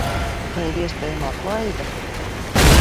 Vai ir iespējama atlaide?